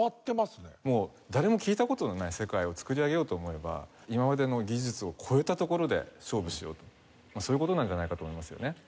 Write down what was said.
もう誰も聴いた事のない世界を作り上げようと思えば今までの技術を超えたところで勝負しようとそういう事なんじゃないかと思いますよね。